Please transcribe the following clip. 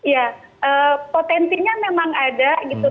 ya potensinya memang ada gitu